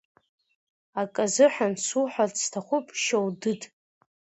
Акы азыҳәан суҳәарц сҭахуп Шьоудыд!